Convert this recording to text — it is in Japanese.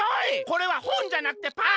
これはほんじゃなくてパン！